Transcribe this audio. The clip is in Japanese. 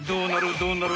どうなる？